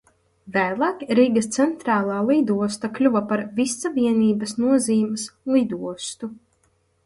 Vēlāk Rīgas Centrālā lidosta kļuva par Vissavienības nozīmes lidostu.